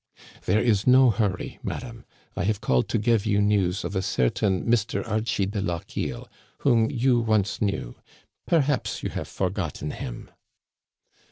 " There is no hurry, madam. I have called to give you news of a certain Mr. Archie de Lochiel, whom you once knew. Perhaps you have forgotten him."